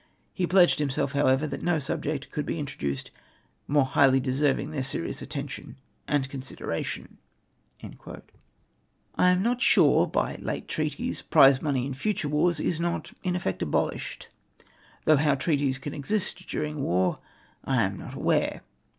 He pledged himself, however, that no subject could be introduced more highly deserving their seri(jus attention and consideration." I am not sure that by late treaties prize money in futm e wars is not in effect abolished, though how treaties can exist during war I am not aware.